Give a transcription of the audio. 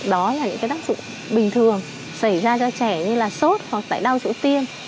đó là những cái tác dụng bình thường xảy ra cho trẻ như là sốt hoặc là đau sổ tiêm